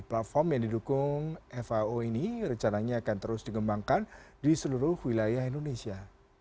platform yang didukung fao ini rencananya akan terus dikembangkan di seluruh wilayah indonesia